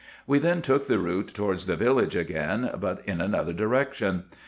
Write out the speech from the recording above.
We then took the route towards the village again, but in another direction.